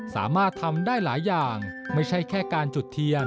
สามารถทำได้หลายอย่างไม่ใช่แค่การจุดเทียน